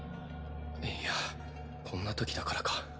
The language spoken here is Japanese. いやこんなときだからか。